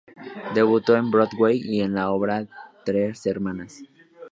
Debutó en Broadway en la obra "Tres hermanas".